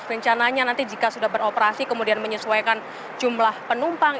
rencananya nanti jika sudah beroperasi kemudian menyesuaikan jumlah penumpang